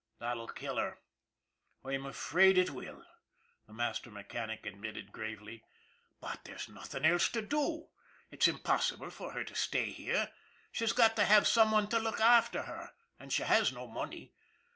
" That'll kill her." " I'm afraid it will," the master mechanic admitted gravely. " But there's nothing else to do. It's im possible for her to stay here. She's got to have some one to look after her, and she has no money.